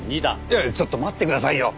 いやいやちょっと待ってくださいよ！